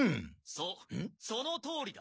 ・そうそのとおりだ。